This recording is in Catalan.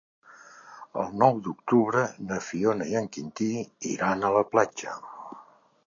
El nou d'octubre na Fiona i en Quintí iran a la platja.